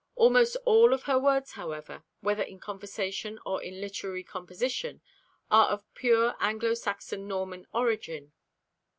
Almost all of her words, however, whether in conversation or in literary composition, are of pure Anglo Saxon Norman origin.